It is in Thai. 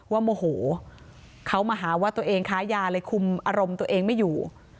โมโหเขามาหาว่าตัวเองค้ายาเลยคุมอารมณ์ตัวเองไม่อยู่